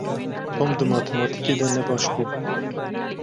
Tom di matematîkê de ne baş bû.